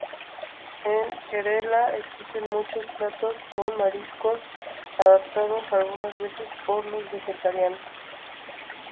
En Kerala existen muchos platos con marisco, adaptados algunas veces para los vegetarianos.